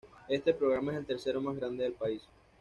Este programa es el tercero más grande del país.